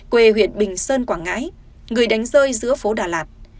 quê huyện bình sơn quảng ngãi người đánh rơi giữa phố đà lạt